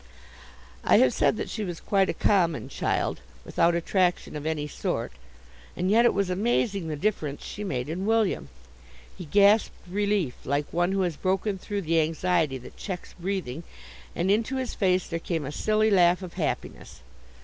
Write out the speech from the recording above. I have said that she was quite a common child, without attraction of any sort, and yet it was amazing the difference she made in William. He gasped relief, like one who has broken through the anxiety that checks breathing, and into his face there came a silly laugh of happiness.